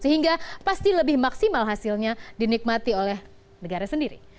sehingga pasti lebih maksimal hasilnya dinikmati oleh negara sendiri